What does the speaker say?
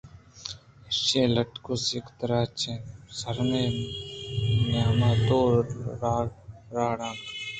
ایشی ءِ لِٹّک سکّ درٛاج اَت ءُ سُرٛمبے نیام ءَ دو راڑ اِتنت